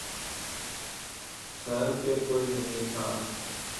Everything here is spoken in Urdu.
گھر پے کوئی نہیں تھا۔